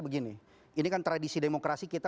begini ini kan tradisi demokrasi kita